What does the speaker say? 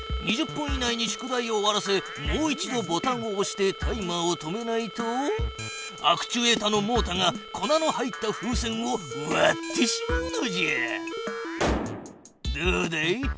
２０分以内に宿題を終わらせもう一度ボタンをおしてタイマーを止めないとアクチュエータのモータが粉の入った風船をわってしまうのじゃ。